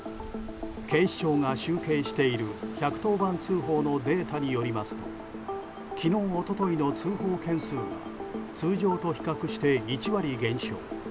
警視庁が集計している１１０番通報のデータによりますと昨日、一昨日の通報件数は通常と比較して１割減少